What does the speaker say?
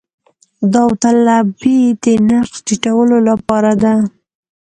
داوطلبي د نرخ ټیټولو لپاره ده